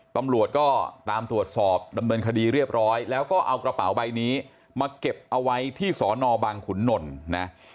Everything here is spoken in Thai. ตำรวจก็ตามตรวจสอบดำเนินคดีเรียบร้อยแล้วก็เอากระเป๋าใบนี้มาเก็บเอาไว้ที่สอนอบางขุนนลนะ